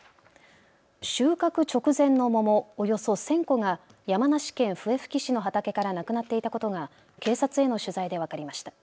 収穫直前の桃およそ１０００個が山梨県笛吹市の畑からなくなっていたことが警察への取材で分かりました。